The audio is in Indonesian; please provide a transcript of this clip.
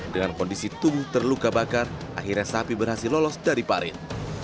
dengan kondisi tubuh terluka bakar akhirnya sapi berhasil lolos dari parit